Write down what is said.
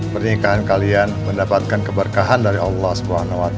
pernikahan kalian mendapatkan keberkahan dari allah swt